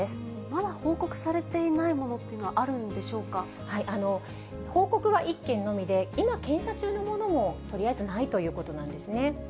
まだ報告されていないものっ報告は１件のみで、今検査中のものもとりあえずないということなんですね。